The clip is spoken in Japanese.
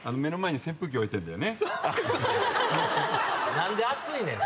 何で暑いねん。